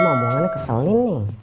emang omongannya keselin nih